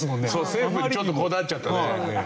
政府にちょっとこだわっちゃったね。